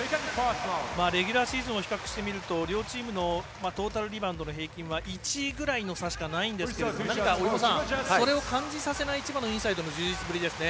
レギュラーシーズンを比較してみると両チームのトータルリバウンドの平均は１ぐらいの差しかないんですがそれを感じさせないぐらいの千葉のインサイドの充実ぶりですね。